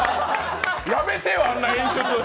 やめてよ、あんな演出！